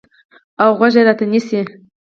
اوغوږ راته نیسي